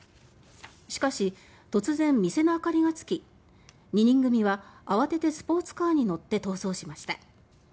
しかし、突然店の明かりがつき２人組は慌ててスポーツカーに乗って逃走しました。